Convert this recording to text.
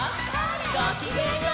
ごきげんよう！